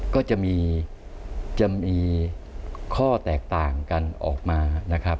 ก็จะมีข้อแตกต่างกันออกมานะครับ